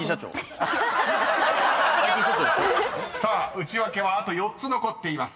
［ウチワケはあと４つ残っています。